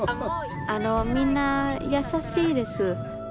みんな優しいです。